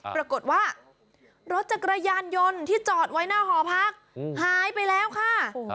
ปรากฏว่ารถจักรยานยนต์ที่จอดไว้หน้าหอพักหายไปแล้วค่ะ